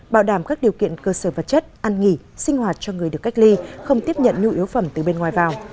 bảo đảm các điều kiện cơ sở vật chất ăn nghỉ sinh hoạt cho người được cách ly không tiếp nhận nhu yếu phẩm từ bên ngoài vào